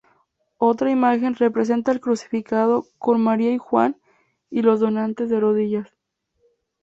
Otra imagen representa al Crucificado con María y Juan, y los donantes de rodillas.